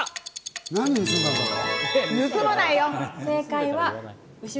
何を盗んだんだろ？